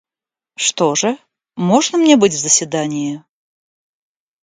Что же, можно мне быть в заседании?